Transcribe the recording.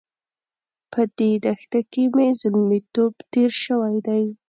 په دې دښته کې مې زلميتوب تېر شوی دی.